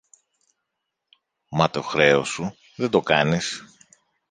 μα το χρέος σου δεν το κάνεις!